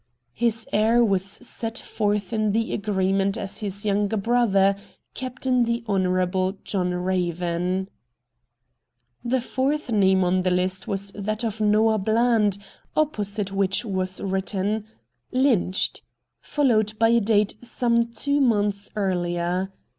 His heir was set forth in the agreement as his younger brother. Captain the Honourable John Eaven. The fourth name on the list was that of Noah Bland, opposite which was written :* Lynched,' followed by a date some two months earlier.